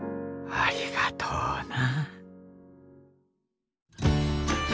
ありがとうな。